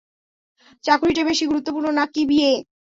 চাকুরিটা বেশি গুরুত্বপূর্ণ না-কি বিয়ে?